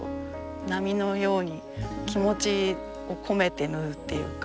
波のように気持ちを込めて縫うっていうか